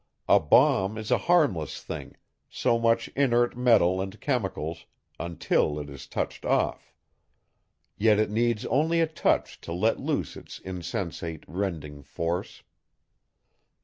A bomb is a harmless thing, so much inert metal and chemicals, until it is touched off; yet it needs only a touch to let loose its insensate, rending force.